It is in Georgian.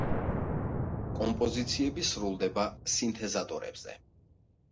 კომპოზიციები სრულდება სინთეზატორებზე.